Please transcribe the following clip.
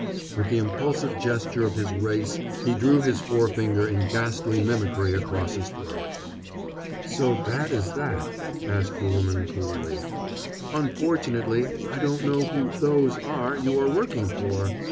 With the impulsive gesture of his race he drew his forefinger in ghastly mimicry across his throat. "So bad as that?" asked the woman coolly. "Unfortunately, I don't know who 'those' are you are working for.